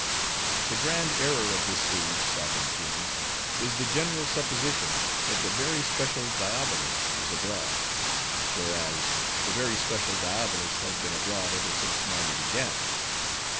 "The grand error of this age, sovereign kings! is the general supposition, that the very special Diabolus is abroad; whereas, the very special Diabolus has been abroad ever since Mardi began.